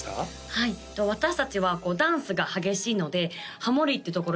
はい私達はダンスが激しいのでハモリってところ